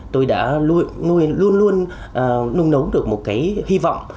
tôi đã luôn luôn nung nấu được một cái hy vọng